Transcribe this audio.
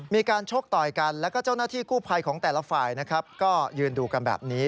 ชกต่อยกันแล้วก็เจ้าหน้าที่กู้ภัยของแต่ละฝ่ายนะครับก็ยืนดูกันแบบนี้